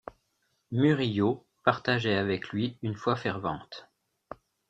Murillo partageait avec lui une foi fervente.